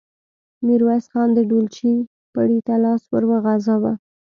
ميرويس خان د ډولچې پړي ته لاس ور وغځاوه.